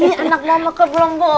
ini anak lama keberambu